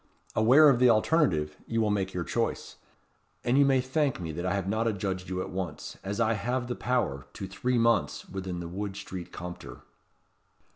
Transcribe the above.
Aware of the alternative, you will make your choice. And you may thank me that I have not adjudged you at once as I have the power to three months within the Wood Street Compter."